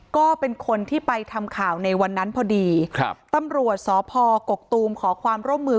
ก็เป็นคนที่ไปทำข่าวในวันนั้นพอดีครับตำรวจสพกกตูมขอความร่วมมือ